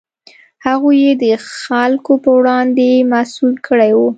هغوی یې د خلکو په وړاندې مسوول کړي وو.